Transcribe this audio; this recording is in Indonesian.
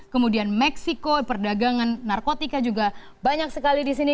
kemudian meksiko perdagangan narkotika juga banyak sekali di sini